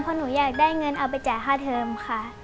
เพราะหนูอยากได้เงินเอาไปจ่ายค่าเทิมค่ะ